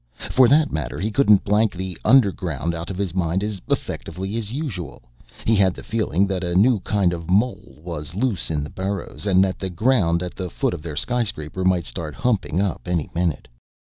For that matter, he couldn't blank the underground out of his mind as effectively as usually. He had the feeling that a new kind of mole was loose in the burrows and that the ground at the foot of their skyscraper might start humping up any minute.